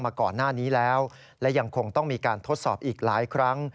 มาก่อนหน้านี้แล้วและยังคงต้องมีการทดสอบอีกหลายครั้ง